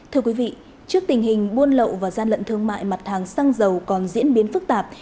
thưa quý vị trước tình hình buôn lậu và gian lận thương mại mặt hàng xăng dầu còn diễn biến phức tạp